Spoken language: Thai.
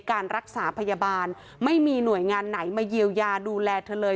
การรักษาพยาบาลไม่มีหน่วยงานไหนมาเยียวยาดูแลเธอเลย